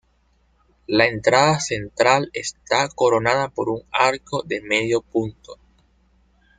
La entrada central está coronada por un arco de medio punto.